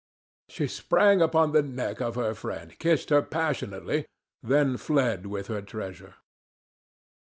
She sprang upon the neck of her friend, kissed her passionately, then fled with her treasure.